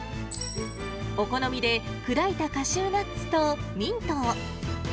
お好みで砕いたカシューナッツとミントを。